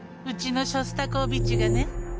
うちのショスタコーヴィチがね。